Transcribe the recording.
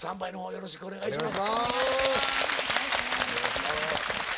よろしくお願いします。